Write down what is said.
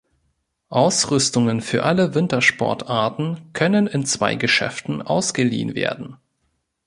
Ausrüstungen für alle Wintersportarten können in zwei Geschäften ausgeliehen werden.